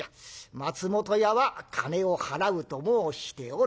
松本屋は金を払うと申しておる。